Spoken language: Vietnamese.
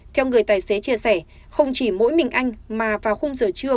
theo người tài xế chia sẻ không chỉ mỗi mình anh mà vào khung giờ trưa